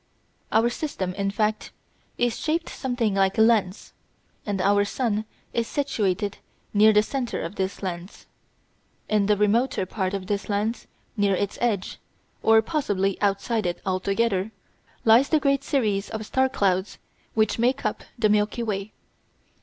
Our system, in fact, is shaped something like a lens, and our sun is situated near the centre of this lens. In the remoter part of this lens, near its edge, or possibly outside it altogether, lies the great series of star clouds which make up the Milky Way.